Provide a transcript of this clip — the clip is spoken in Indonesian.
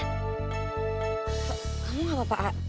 kamu apa pak